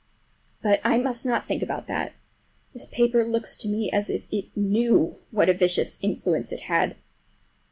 But I must not think about that. This paper looks to me as if it knew what a vicious influence it had!